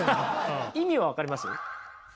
意味は分かります？